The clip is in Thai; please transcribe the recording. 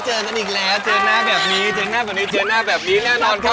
เจอกันอีกแล้วเจอหน้าแบบนี้เจอหน้าแบบนี้เจอหน้าแบบนี้แน่นอนครับ